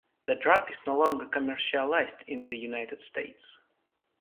The drug is no longer commercialized in the United States.